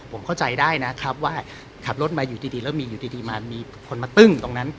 ผมเข้าใจได้นะครับว่าขับรถมาอยู่ดีแล้วมีอยู่ดีมามีคนมาตึ้งตรงนั้น